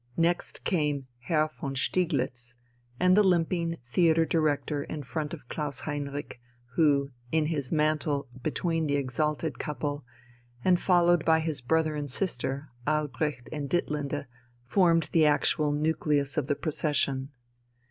Next came Herr von Stieglitz, and the limping theatre director in front of Klaus Heinrich, who, in his mantle between the exalted couple, and followed by his brother and sister, Albrecht and Ditlinde, formed the actual nucleus of the procession.